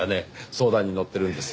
相談に乗ってるんです。